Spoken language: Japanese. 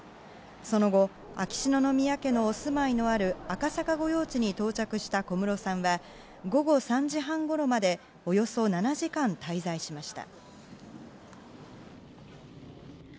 その後秋篠宮家のお住まいのある赤坂御用地に到着した小室さんは午後３時半ごろまでおよそ７時間滞在しました。